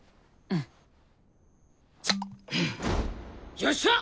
よっしゃ！